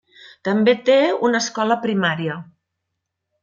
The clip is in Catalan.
També té una escola primària.